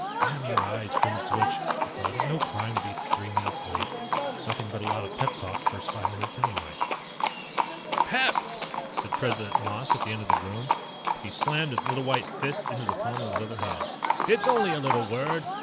Damn your eyes, Grimswitch, he thought. It's no crime to be three minutes late. Nothing but a lot of pep talk first five minutes anyway. "PEP!" said President Moss at the end of the room. He slammed his little white fist into the palm of his other hand. "It's only a little word.